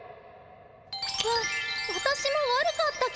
わわたしも悪かったけど。